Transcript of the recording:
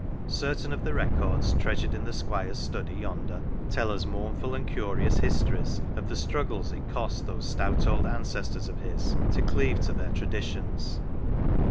Certain of the records treasured in the Squire's study yonder tell us mournful and curious histories of the struggles it cost those stout old ancestors of his to cleave to their traditions.